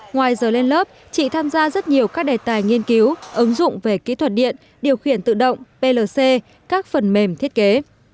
ngoài giờ lên lớp chị tham gia rất nhiều các đề tài nghiên cứu ứng dụng về kỹ thuật điện điều khiển tự động plc các phần mềm thiết kế